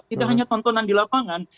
tidak hanya tontonan di lapangan